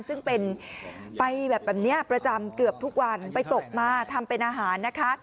ซึ่งเป็นไปแบบแบบนี้ประจำเกือบทุกวันไปตกมาทำเป็นอาหารนะคะ